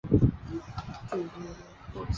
其他国家也有类似认证奖项。